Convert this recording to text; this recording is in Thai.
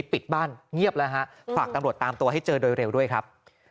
ปิดบ้านเงียบแล้วฮะฝากตำรวจตามตัวให้เจอโดยเร็วด้วยครับ